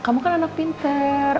kamu kan anak pinter